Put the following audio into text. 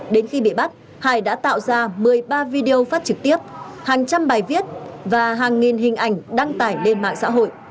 đến khi bị bắt hải đã tạo ra một mươi ba video phát trực tiếp hàng trăm bài viết và hàng nghìn hình ảnh đăng tải lên mạng xã hội